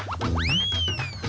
tidak ada yang bisa dihentikan